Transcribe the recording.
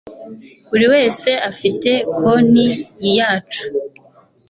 Buri wese afite konti yacu